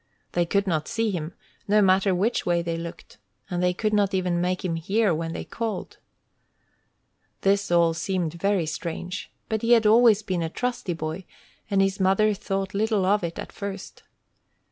They could not see him, no matter which way they looked, and they could not even make him hear when they called. This all seemed very strange, but he had always been a trusty boy, and his mother thought little of it at first.